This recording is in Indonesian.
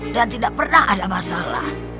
dan tidak pernah ada masalah